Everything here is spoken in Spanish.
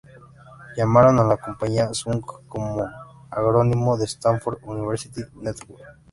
Llamaron a la compañía Sun como acrónimo de "Stanford University Network.